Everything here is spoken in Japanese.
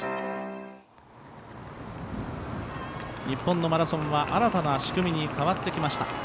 日本のマラソンは新たな仕組みに変わってきました。